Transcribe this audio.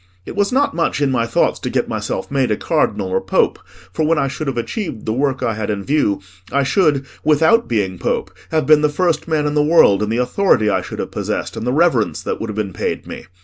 It was not much in my thoughts to get myself made a Cardinal or Pope, for when I should have achieved the work I had in view, I should, without being Pope, have been the first man in the world in the authority I should have possessed, and the reverence that would have been paid me.